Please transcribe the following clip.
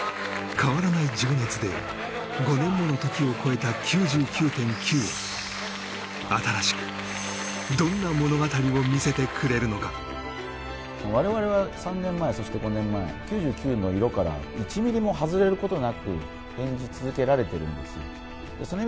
変わらない情熱で５年もの時を超えた「９９．９」は新しくどんな物語を見せてくれるのか我々は３年前そして５年前「９９」の色から１ミリも外れることなく演じ続けられてるんですよ